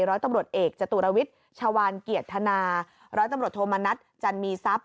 ร้อยตำรวจเอกจตุรวิทย์ชาวานเกียรติธนาร้อยตำรวจโทมณัฐจันมีทรัพย